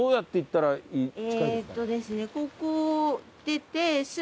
えーっとですね